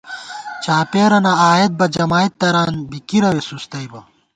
چاپېرَنہ آئیېت بہ، جمائید تران بی کِرَوے سُستئیبہ